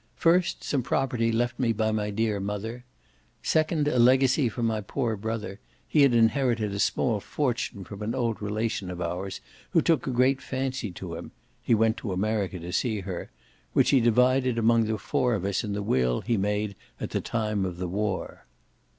First some property left me by my dear mother. Second a legacy from my poor brother he had inherited a small fortune from an old relation of ours who took a great fancy to him (he went to America to see her) which he divided among the four of us in the will he made at the time of the War."